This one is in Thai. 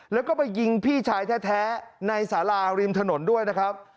แล้วก็ไปยิงพี่ชายแท้ในสาราริมถนนด้วยนะครับ